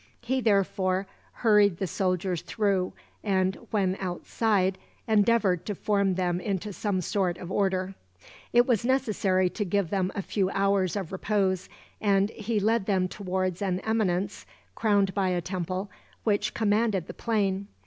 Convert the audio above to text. He therefore hurried the soldiers through and, when outside, endeavored to form them into some sort of order. It was necessary to give them a few hours of repose, and he led them towards an eminence, crowned by a temple, which commanded the plain.